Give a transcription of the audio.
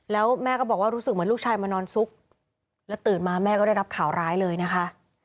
แล้วแม่ก็บอกว่ารู้สึกเหมือนลูกชายมานอนซุกแล้วตื่นมาแม่ก็ได้รับข่าวร้ายเลยนะคะ